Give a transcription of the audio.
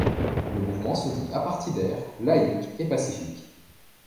Le mouvement se dit apartidaire, laïque et pacifique.